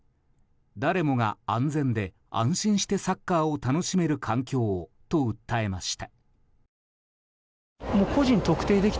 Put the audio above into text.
誰もが安全で、安心してサッカーを楽しめる環境を、と訴えました。